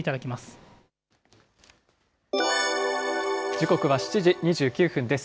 時刻は７時２９分です。